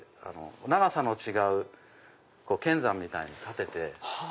長さの違う剣山みたいなの立てて。